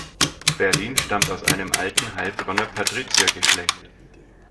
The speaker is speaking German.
Berlin stammt aus einem alten Heilbronner Patriziergeschlecht.